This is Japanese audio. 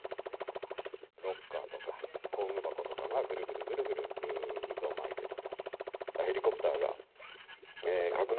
ロッカーとか工具箱とかがぐるぐる渦を巻いていた。